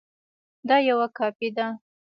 دا یوه کاپي ده